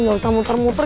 nggak usah muter muter